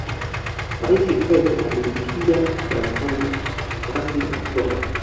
raisi kikwete aliingia madarakani rasmi oktoba